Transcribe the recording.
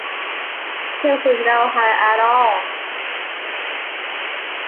She was in no hurry at all.